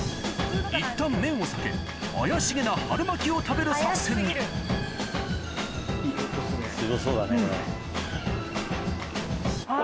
いったん麺を避け怪しげな春巻きを食べる作戦にすごそうだねこれ。